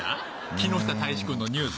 木下大維志君のニュース？